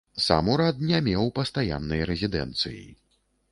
Сам ўрад не меў пастаяннай рэзідэнцыі.